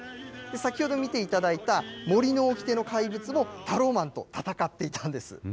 先ほど見ていただいた森の掟の怪物も、タローマンと戦っていたんです。